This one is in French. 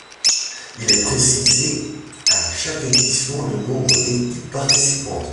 Il est précisé à chaque édition le nombre d'équipes participantes.